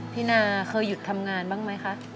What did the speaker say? นาเคยหยุดทำงานบ้างไหมคะ